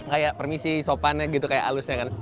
kayak permisi sopan gitu kayak halusnya kan